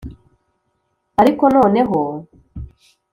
ariko noneho